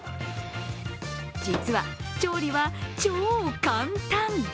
実は、調理は超簡単。